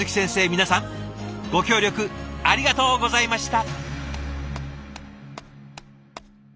皆さんご協力ありがとうございました。